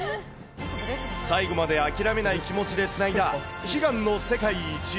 最後まであきらめない気持ちでつないだ悲願の世界一。